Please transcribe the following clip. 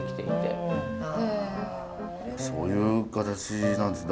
そういう形なんですね。